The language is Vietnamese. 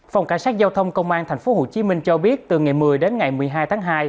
phòng cảnh sát giao thông công an tp hcm cho biết từ ngày một mươi đến ngày một mươi hai tháng hai